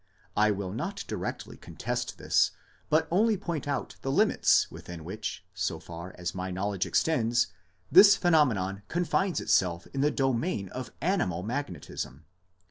I will not directly contest this, but only point out the limits within which, so far as my knowledge extends, this phenomenon confines itself in the domain of animal magnetism.